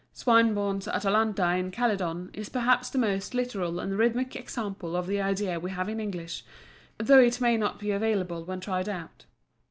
Swinburne's Atalanta in Calydon is perhaps the most literal and rhythmic example of the idea we have in English, though it may not be available when tried out.